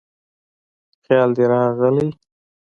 خیال دې راغلی